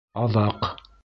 Аҙаҡ!